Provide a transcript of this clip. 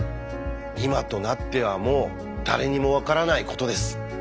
今となってはもう誰にも分からないことです。